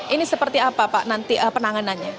ini seperti apa pak nanti penanganannya